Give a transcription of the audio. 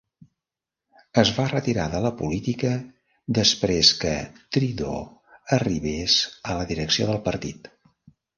Es va retirar de la política després que Trudeau arribés a la direcció del partit.